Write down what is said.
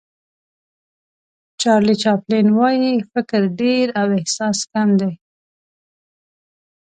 چارلي چاپلین وایي فکر ډېر او احساس کم دی.